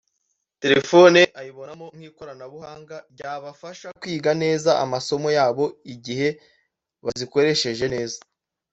telefone ayibonamo nk’ikoranabuhanga ryabafasha kwiga neza amasomo ya bo igihe bazikorsheje neza